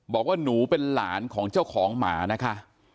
บอกว่าหนูเป็นหลานของเจ้าของหมานะคะ